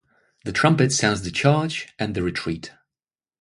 The trumpet sounds the charge and the retreat.